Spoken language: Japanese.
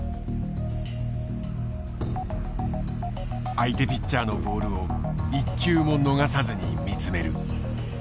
相手ピッチャーのボールを１球も逃さずに見つめる。